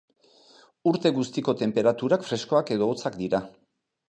Urte guztiko tenperaturak freskoak edo hotzak dira.